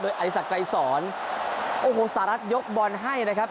อธิสักไกรสอนโอ้โหสหรัฐยกบอลให้นะครับ